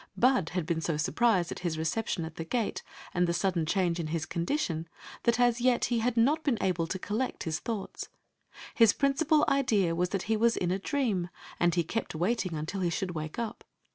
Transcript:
Bud had been so surprised at his reception at the gate and the sudden change in his condition that as yet he had not been able to collect his thoughts. His principal idea was that he was in a dream, and he kept waiting until he should wake up.